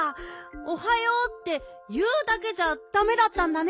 おはようっていうだけじゃダメだったんだね。